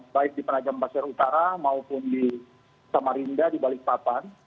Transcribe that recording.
baik di penajam pasir utara maupun di samarinda di balikpapan